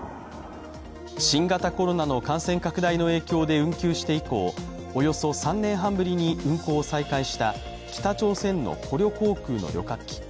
新型コロナの感染拡大の影響で運休して以降およそ３年半ぶりに運航を再開した北朝鮮のコリョ航空の旅客機。